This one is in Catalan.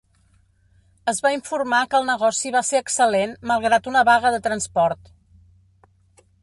Es va informar que el negoci va ser excel·lent malgrat una vaga de transport.